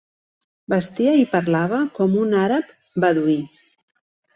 Vestia i parlava com un àrab beduí.